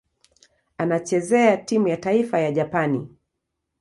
Anachezea timu ya taifa ya Japani.